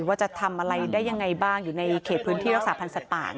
ว่าจะทำอะไรได้ยังไงบ้างอยู่ในเขตพื้นที่รักษาพันธ์สัตว์ป่า